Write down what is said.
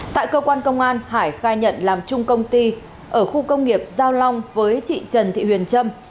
tại cơ quan công an hải khai nhận làm chung công ty ở khu công nghiệp giao long với chị trần thị huyền trâm